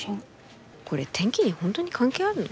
これ天気に本当に関係あるの？